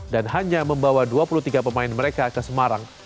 dan hanya membawa dua puluh tiga pemain mereka ke semarang